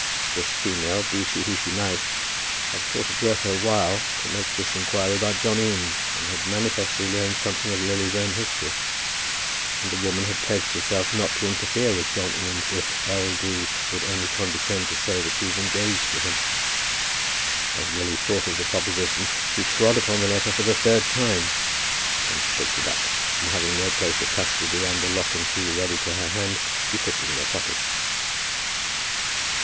This female, be she who she might, had thought it worth her while to make this inquiry about John Eames, and had manifestly learned something of Lily's own history. And the woman had pledged herself not to interfere with John Eames, if L. D. would only condescend to say that she was engaged to him! As Lily thought of the proposition, she trod upon the letter for the third time. Then she picked it up, and having no place of custody under lock and key ready to her hand, she put it in her pocket.